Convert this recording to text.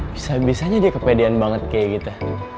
bisa bisanya dia kepedean banget kayak gitu